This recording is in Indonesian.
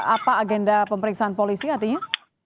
apa agenda pemeriksaan polisi artinya